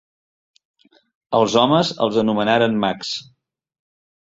Els homes els anomenaren mags.